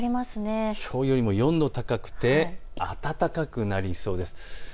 きょうよりも４度高くて暖かくなりそうです。